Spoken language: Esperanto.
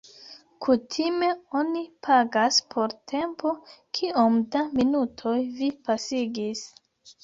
Kutime oni pagas por tempo kiom da minutoj vi pasigis.